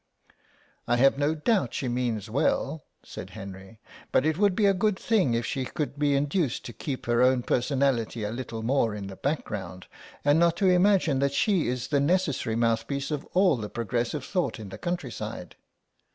"I've no doubt she means well," said Henry, "but it would be a good thing if she could be induced to keep her own personality a little more in the background, and not to imagine that she is the necessary mouthpiece of all the progressive thought in the countryside.